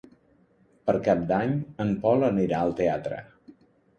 Per Cap d'Any en Pol anirà al teatre.